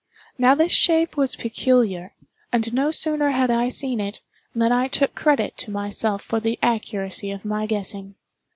Now this shape was peculiar; and no sooner had I seen it, than I took credit to myself for the accuracy of my guessing.